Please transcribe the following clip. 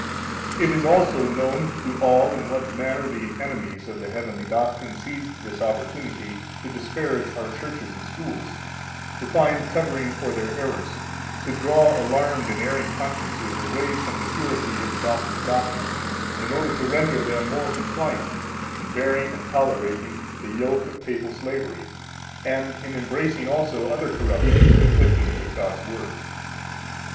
It, is also known to all in what manner the enemies of the heavenly doctrine seized this opportunity to disparage our churches and schools, to find covering for their errors, to draw alarmed and erring consciences away from the purity of the Gospel doctrine, in order to render them more compliant in bearing and tolerating the yoke of the papal slavery, and in embracing also other corruptions conflicting with God's Word.